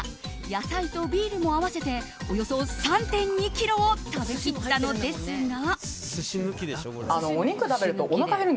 野菜とビールも合わせておよそ３．２ｋｇを食べきったのですが。